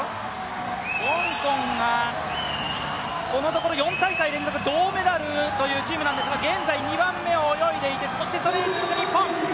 香港がこのところ４大会連続銅メダルというチームですが、現在２番目を泳いでいて、そしてそれに続く日本。